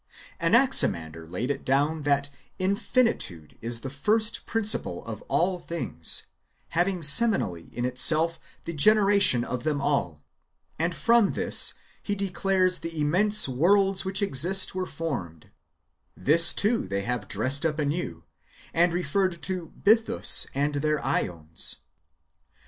Anaximander laid it down that infinitude is the first principle of all things, having seminally in itself the gene ration of them all, and from this he declares the immense worlds [which exist] were formed : this, too, they have dressed up anew, and referred to Bythus and their ^ons.